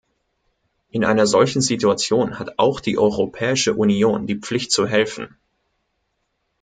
In einer solchen Situation hat auch die Europäische Union die Pflicht zu helfen.